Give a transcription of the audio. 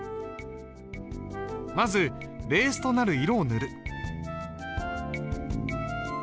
まずベースとなる色を塗る。